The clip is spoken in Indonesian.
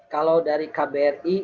kalau dari kbri